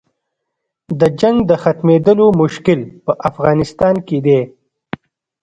د جنګ د ختمېدلو مشکل په افغانستان کې دی.